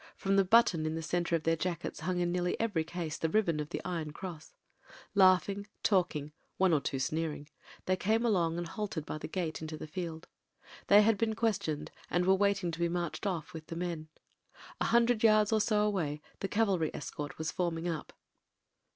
From the button in the centre of their jackets hung in nearly every case the ribbon of the Iron Cross. Laughing, talking— one or two sneering — ^they came along and halted by the gate into the field. They had been questioned, and were waiting to be marched off with the men. A him dred yards or so away the cavalry escort was form ing up.